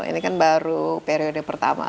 ini kan baru periode pertama